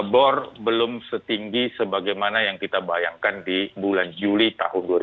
bor belum setinggi sebagaimana yang kita bayangkan di bulan juli tahun dua ribu dua puluh